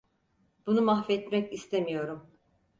Bunu mahvetmek istemiyorum.